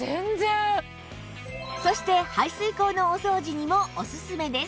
そして排水口のお掃除にもおすすめです